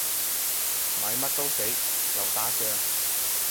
買乜都死，又打仗